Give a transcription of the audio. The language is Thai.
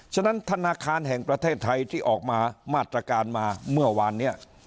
ฉะนั้นธนาคารแห่งประเทศไทยที่ออกมามาตรการมาเมื่อวานเนี่ย